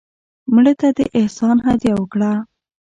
مړه ته د احسان هدیه وکړه